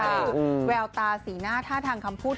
คือแววตาสีหน้าท่าทางคำพูด